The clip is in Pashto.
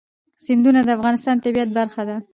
سیندونه د افغانستان د طبیعت برخه ده.